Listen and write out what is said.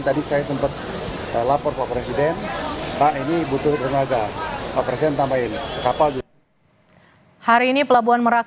telah perpuluhan presiden tak ini butuh bernaga persen tambahin kapal hari ini pelabuhan merak